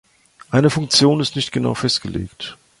Eine Funktion ist nicht genau festgelegt.